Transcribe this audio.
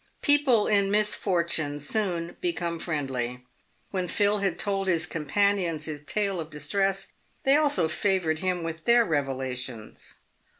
People in misfortune soon become friendly. "When Phil had told his companions his tale of distress, they also favoured him with their revelations.